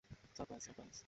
Surprise, surprise!